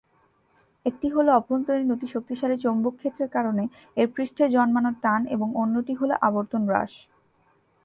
একটি হলো অভ্যন্তরীণ অতি শক্তিশালী চৌম্বক ক্ষেত্রের কারণে এর পৃষ্ঠে জন্মানো টান এবং অন্যটি হলো আবর্তন হ্রাস।